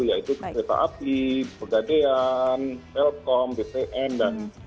yaitu kebetapa api pegadean lkom bps